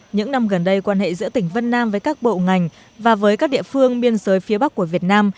những năm gần đây quan hệ giữa tỉnh vân nam với các bộ ngành và với các địa phương biên giới phía bắc của việt nam